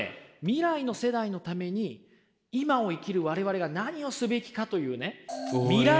未来の世代のために今を生きる我々が何をすべきかというね未来